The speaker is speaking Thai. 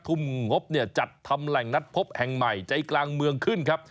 ทุ่มงบเนี่ยจัดทำแหล่งนัดพบแห่งใหม่ใจกลางเมืองขึ้นครับ